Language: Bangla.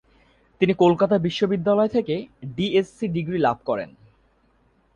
তিনি কলকাতা বিশ্ববিদ্যালয় থেকে ডিএসসি ডিগ্রি লাভ করেন।